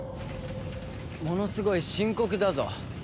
ものすごい深刻だぞ。